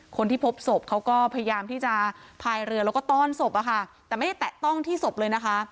คนที่พบศพเขาก็พยายามที่จะพายเรือแล้วก็ต้อนศพอะค่ะแต่ไม่ได้แตะต้องที่ศพเลยนะคะ